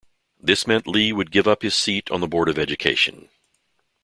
This meant Lee would give up his seat on the Board of Education.